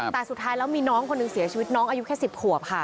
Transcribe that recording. แต่สุดท้ายแล้วมีน้องคนหนึ่งเสียชีวิตน้องอายุแค่๑๐ขวบค่ะ